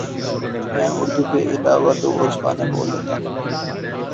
میں اردو کے علاوہ دو اور زبانیں بول لیتا ہوں